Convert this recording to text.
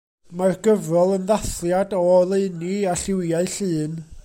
Mae'r gyfrol yn ddathliad o oleuni a lliwiau Llŷn.